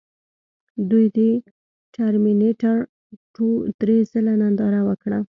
دوی د ټرمینیټر ټو درې ځله ننداره وکړه